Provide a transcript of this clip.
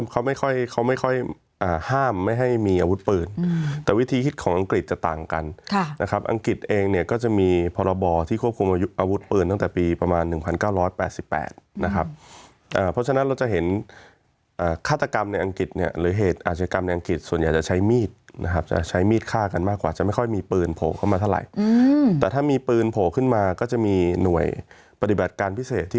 เขาไม่ค่อยห้ามไม่ให้มีอาวุธปืนแต่วิธีคิดของอังกฤษจะต่างกันนะครับอังกฤษเองเนี่ยก็จะมีพรบที่ควบคุมอาวุธปืนตั้งแต่ปีประมาณ๑๙๘๘นะครับเพราะฉะนั้นเราจะเห็นฆาตกรรมในอังกฤษเนี่ยหรือเหตุอาจกรรมในอังกฤษส่วนใหญ่จะใช้มีดนะครับจะใช้มีดฆ่ากันมากกว่าจะไม่ค่อยมีปืนโผล